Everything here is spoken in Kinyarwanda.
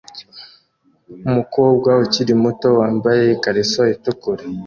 Umukobwa ukiri muto wambaye ikariso itukura